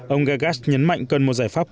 ông gagas nhấn mạnh cần một giải pháp